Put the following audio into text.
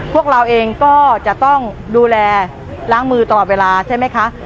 พวกเราเองก็จะต้องดูแลล้างมือตลอดเวลาใช่ไหมคะ